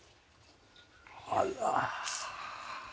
あら！